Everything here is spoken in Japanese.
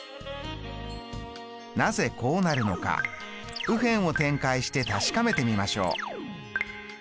なぜこうなるのか右辺を展開して確かめてみましょう。